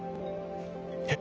えっ？